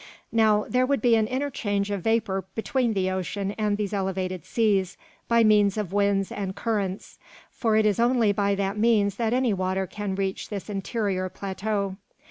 Now, there would be an interchange of vapour between the ocean and these elevated seas, by means of winds and currents; for it is only by that means that any water can reach this interior plateau.